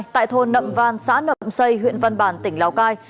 tại thôn nậm văn xã nậm xây huyện văn bản tỉnh lào cai